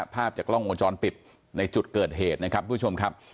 ภาพจากกล้องวงจรปิดในจุดเกิดเหตุนะครับทุกผู้ชมครับ